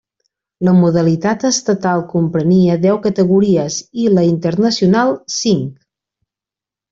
La modalitat estatal comprenia deu categories i la internacional cinc.